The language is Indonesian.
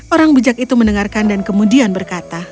orang bijak itu mendengarkan dan kemudian berkata